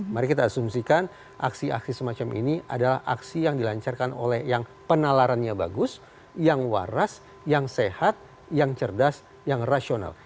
mari kita asumsikan aksi aksi semacam ini adalah aksi yang dilancarkan oleh yang penalarannya bagus yang waras yang sehat yang cerdas yang rasional